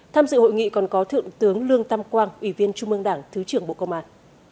tham dự hội nghị còn có thượng tướng lương tam quang ủy viên trung mương đảng thứ trưởng bộ công an